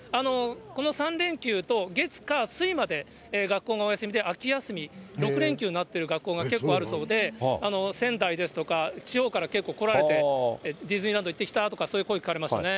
この３連休と、月、火、水まで学校がお休みで、秋休み、６連休になってる学校が結構あるそうで、仙台ですとか、地方から結構来られて、ディズニーランド行ってきたとか、そういう声、聞かれましたね。